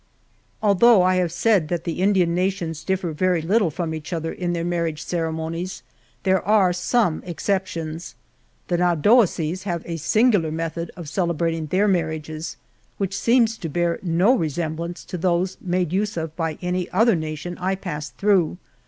Although I have said that the Indian nations differ very lit tle from each other in their marriage ceremonies, there are some exceptions. The Naudowessies have a singular meth od of celebrating their marriages; which seems to bear no resemblance to those made use of by any other nation I pas sed through.